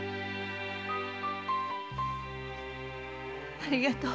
〔ありがとう〕